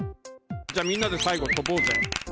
じゃあ、みんなで最後、跳ぼうぜ。